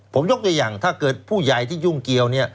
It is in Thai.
ผมยกอย่างถ้าเกิดผู้ใหญ่ที่ยุ่งเกียว